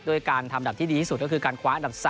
การทำแบบที่ดีที่สุดก็คือการคว้าอันดับ๓